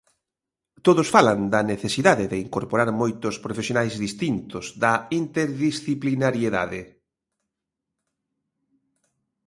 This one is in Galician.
Todos falan da necesidade de incorporar moitos profesionais distintos, da interdisciplinariedade.